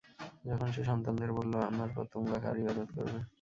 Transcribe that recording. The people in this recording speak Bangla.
যখন সে সন্তানদের বললঃ আমার পর তোমরা কার ইবাদত করবে?